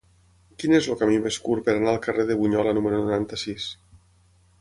Quin és el camí més curt per anar al carrer de Bunyola número noranta-sis?